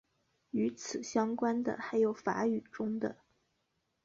与此相关的还有法语中的。